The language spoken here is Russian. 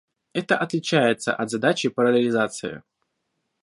Это отличается от задачи параллелизации